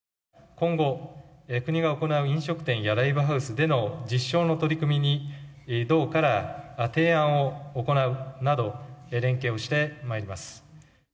今後、国が行う、飲食店やライブハウスでの実証の取り組みに、道から提案を行うなど、連携をしてまいります。